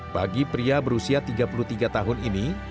bagi pria berusia tiga puluh tiga tahun ini